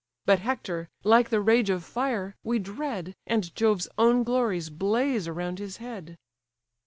But Hector, like the rage of fire, we dread, And Jove's own glories blaze around his head!"